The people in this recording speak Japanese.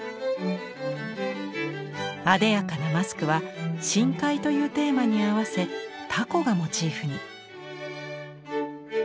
あでやかなマスクは「深海」というテーマに合わせタコがモチーフに。